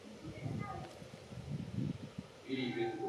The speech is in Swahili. Suala la wajibu wa haki za kibinadamu linahusiana na kufurahia